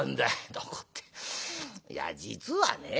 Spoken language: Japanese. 「どこっていや実はね